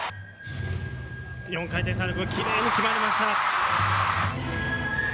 ４回転サルコー、きれいに決まりました。